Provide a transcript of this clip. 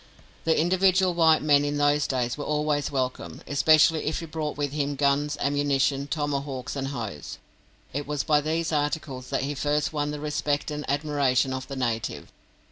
The individual white man in those days was always welcome, especially if he brought with him guns, ammunition, tomahawks, and hoes. It was by these articles that he first won the respect and admiration of the native.